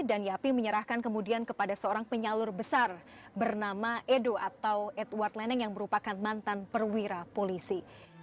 dan yapi menyerahkan kemudian kepada seorang penyalur besar bernama edo atau edward lening yang merupakan mantan perwira polisi